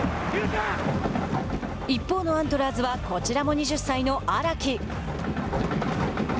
一方のアントラーズはこちらも２０歳の荒木。